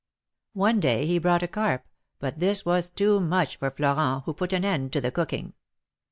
One day he brought a carp, but this was too much for Florent, who put an end to the cooking.